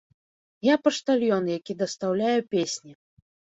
Я паштальён, які дастаўляе песні.